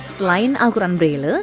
selain al quran brele